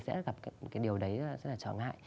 sẽ gặp cái điều đấy rất là trở ngại